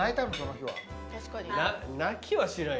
泣きはしない。